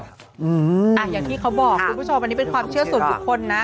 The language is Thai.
อย่างที่เขาบอกคุณผู้ชมอันนี้เป็นความเชื่อส่วนบุคคลนะ